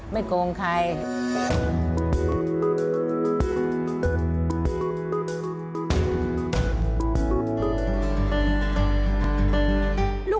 ไม่โครงใคร